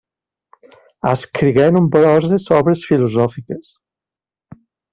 Escrigué nombroses obres filosòfiques.